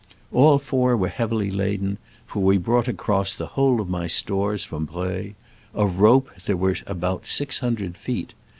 All four were heavily laden, for we brought across the whole of my stores from Breuil. Of rope alone there were about six hundred feet.